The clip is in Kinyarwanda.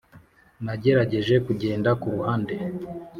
nagerageje kugenda kuruhande,